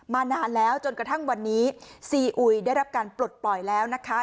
นานแล้วจนกระทั่งวันนี้ซีอุยได้รับการปลดปล่อยแล้วนะคะ